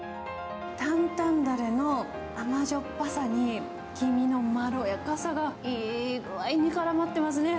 たんたんだれの甘じょっぱさに、黄身のまろやかさが、いい具合にからまってますね。